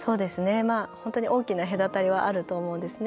本当に大きな隔たりはあると思うんですね。